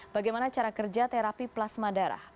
bagaimana cara kerja terapi plasma darah